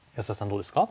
どうですか？